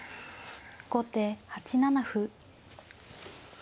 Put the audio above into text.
後手８七歩。